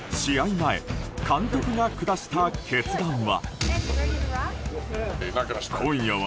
前監督が下した決断は。